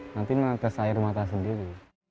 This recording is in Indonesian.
nanti menetes air mata sendiri